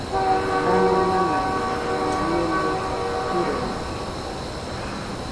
!Dama manaɨde¡ ie mei jiroitɨke